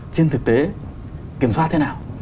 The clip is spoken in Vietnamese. trên thực tế kiểm soát thế nào